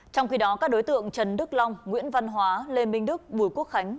trong khi đó các đối tượng trần đức long nguyễn văn hóa lê minh đức bùi quốc khánh